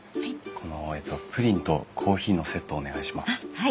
このプリンとコーヒーのセットをお願いします。